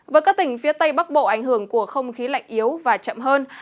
với các tỉnh phía tây bắc bộ ảnh hưởng của không khí lạnh yếu và chậm hơn